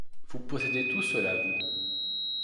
Vous possédez tout cela, vous !